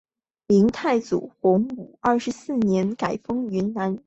明太祖洪武二十四年改封云南。